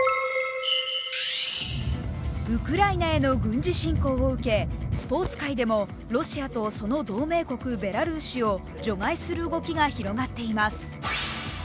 ウクライナへの軍事侵攻を受けスポーツ界でもロシアとその同盟国ベラルーシを除外する動きが広がっています。